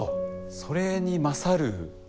それに勝る